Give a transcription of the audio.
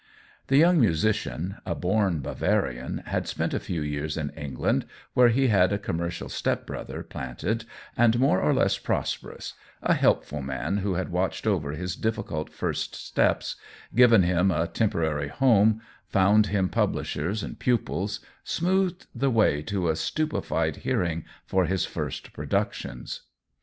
The young musician, a bom Bavarian, had spent a few years in England, where he had a commercial step brother planted and more or less prosperous — a helpful man who had watched over his difficult first steps, given him a temporary home, found him publish ers and pupils, smoothed the way to a stu pefied hearing for his first productions.